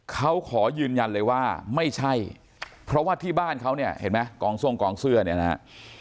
เขาขอยืนยันเลยว่าไม่ใช่เพราะว่าที่บ้านเขาเนี่ยเห็นไหมกองทรงกองเสื้อเนี่ยนะฮะ